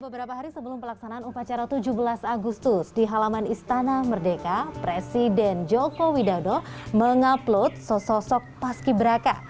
beberapa hari sebelum pelaksanaan upacara tujuh belas agustus di halaman istana merdeka presiden joko widodo mengupload sosok paski beraka